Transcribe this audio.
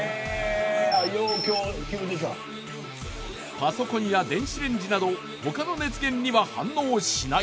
パソコンや電子レンジなど他の熱源には反応しない。